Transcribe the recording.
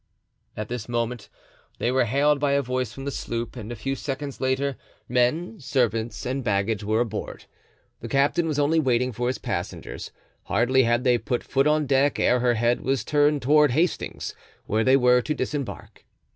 At this moment they were hailed by a voice from the sloop and a few seconds later men, servants and baggage were aboard. The captain was only waiting for his passengers; hardly had they put foot on deck ere her head was turned towards Hastings, where they were to disembark.